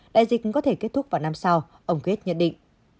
đại dịch cũng có thể kết thúc vào năm sau ông gates nhận định